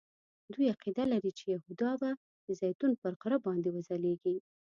دوی عقیده لري چې یهودا به د زیتون پر غره باندې وځلیږي.